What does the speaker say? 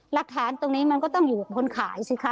หลักฐานตรงนี้มันก็ต้องอยู่กับคนขายสิคะ